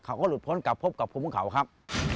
เขาก็หลุดพ้นกลับพบกับภูมิเขาครับ